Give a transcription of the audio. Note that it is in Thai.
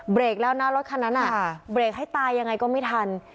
แล้วนะรถคันนั้นเบรกให้ตายยังไงก็ไม่ทัน